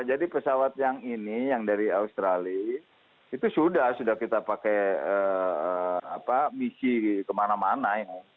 pesawat yang ini yang dari australia itu sudah sudah kita pakai misi kemana mana